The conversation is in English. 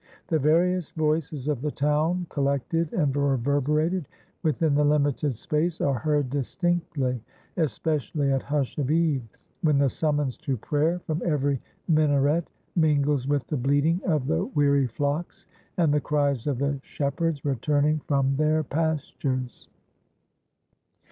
The various voices of the town collected and reverberated within the limited space, are heard distinctly, especially at hush of eve, when the summons to prayer from every minaret mingles with the bleating of the weary flocks, and the cries of the shepherds returning from their pastures.